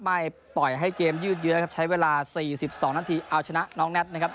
ไม่ปล่อยให้เกมยืดเยอะครับใช้เวลา๔๒นาทีเอาชนะน้องแน็ตนะครับ